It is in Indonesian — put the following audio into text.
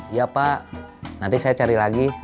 iya pak nanti saya cari lagi